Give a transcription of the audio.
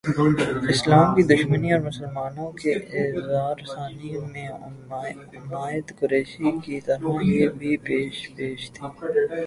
اسلام کی دشمنی اورمسلمانوں کی ایذارسانی میں عمائد قریش کی طرح یہ بھی پیش پیش تھے